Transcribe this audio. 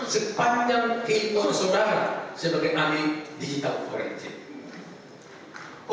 sepanjang keinginan sobara sebagai ami digital forensik